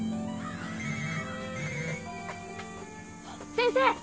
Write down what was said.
先生！